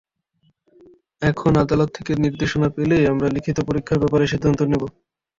এখন আদালত থেকে নির্দেশনা পেলেই আমরা লিখিত পরীক্ষার ব্যাপারে সিদ্ধান্ত নেব।